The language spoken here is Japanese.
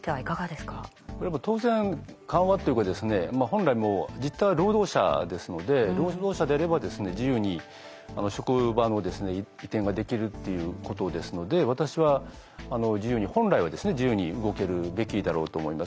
これ当然緩和っていうか本来実態は労働者ですので労働者であれば自由に職場の移転ができるっていうことですので私は本来は自由に動けるべきだろうと思います。